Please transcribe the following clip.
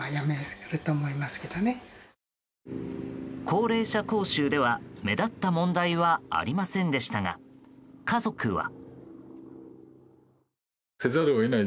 高齢者講習では目立った問題はありませんでしたが家族は。